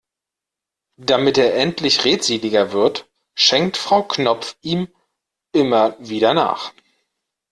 Damit er endlich redseliger wird, schenkt Frau Knopf ihm immer wieder nach.